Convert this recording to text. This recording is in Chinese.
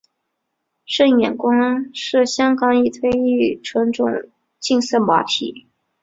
胜眼光是香港已退役纯种竞赛马匹。